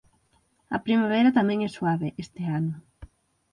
A primavera tamén é suave, este ano.